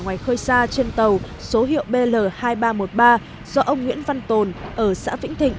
ngoài khơi xa trên tàu số hiệu bl hai nghìn ba trăm một mươi ba do ông nguyễn văn tồn ở xã vĩnh thịnh